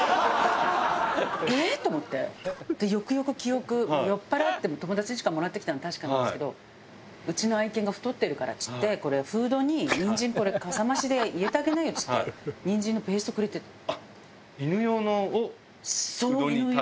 よくよく記憶酔っ払って友達んちからもらってきたのは確かなんですけどうちの愛犬が太ってるからっていってフードにニンジンかさ増しで入れてあげなよっていってニンジンのペーストくれてたの。